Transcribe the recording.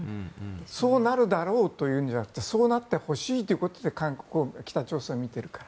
そうなるだろうというんじゃなくそうなってほしいということで北朝鮮を見ているから。